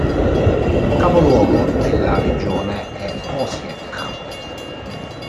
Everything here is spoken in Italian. Capoluogo della regione è Osijek.